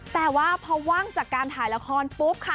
แต่ว่าพอว่างจากการถ่ายละครปุ๊บค่ะ